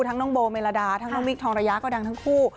น้องโบเมลาดาทั้งน้องมิคทองระยะก็ดังทั้งคู่